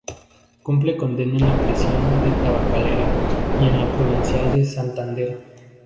Cumple condena en la prisión de Tabacalera y en la provincial de Santander.